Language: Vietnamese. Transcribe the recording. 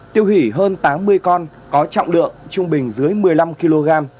tiêu hủy hơn tám mươi con có trọng lượng trung bình dưới một mươi năm kg